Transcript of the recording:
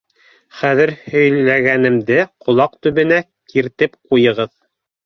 — Хәҙер һөйләгәнемде ҡолаҡ төбөнә киртеп ҡуйығыҙ.